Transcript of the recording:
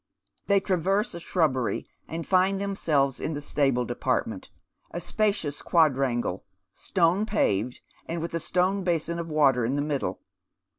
They traverse a shrubbery, and find themselves in the stable department, a spacious quadrangle, stone paved, with a stone basin of water in the middle.